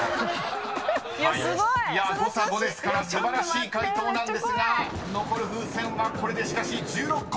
［誤差５ですから素晴らしい解答なんですが残る風船はこれでしかし１６個！］